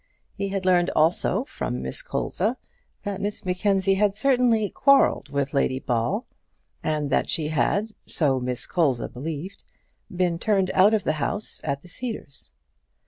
He had learned also from Miss Colza, that Miss Mackenzie had certainly quarrelled with Lady Ball, and that she had, so Miss Colza believed, been turned out of the house at the Cedars.